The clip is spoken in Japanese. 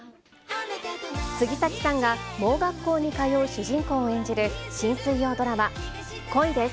杉崎さんが盲学校に通う主人公を演じる、新水曜ドラマ、恋です！